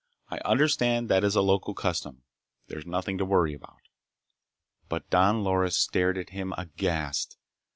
I understand that is a local custom. There's nothing to worry about." But Don Loris stared at him, aghast.